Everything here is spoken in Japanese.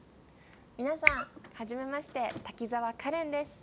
皆さんはじめまして滝沢カレンです。